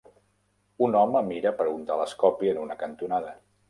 Un home mira per un telescopi en una cantonada.